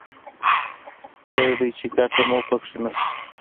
خیر دی چې ګټه مو په کې نه شته.